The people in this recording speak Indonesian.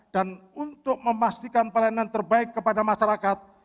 untuk memastikan pelayanan terbaik kepada masyarakat